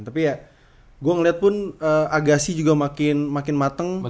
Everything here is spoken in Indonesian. tapi ya gue ngeliat pun agasi juga makin mateng